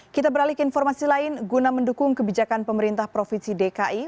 kita beralih ke informasi lain guna mendukung kebijakan pemerintah provinsi dki